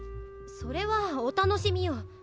それはお楽しみよ